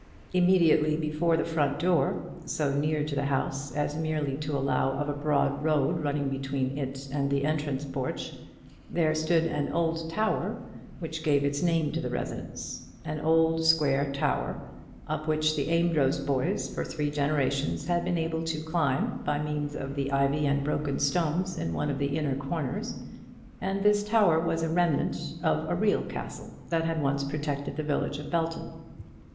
Immediately before the front door, so near to the house as merely to allow of a broad road running between it and the entrance porch, there stood an old tower, which gave its name to the residence, an old square tower, up which the Amedroz boys for three generations had been able to climb by means of the ivy and broken stones in one of the inner corners, and this tower was a remnant of a real castle that had once protected the village of Belton.